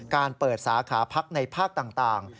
การเปิดสาขาพักในภาคต่าง